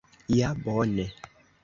Ja, bone!